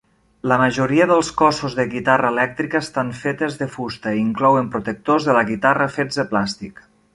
La majoria dels cossos de guitarra elèctrica estan fetes de fusta i inclouen protectors de la guitarra fets de plàstic.